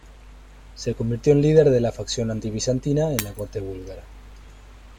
Se convirtió en líder de la facción anti-bizantina en la corte búlgara.